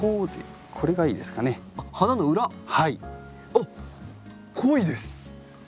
あっ濃いです！